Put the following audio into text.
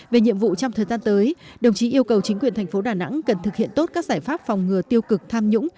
về nhiệm vụ trong thời gian tới đồng chí yêu cầu chính quyền thành phố đà nẵng cần thực hiện tốt các giải pháp phòng ngừa tiêu cực tham nhũng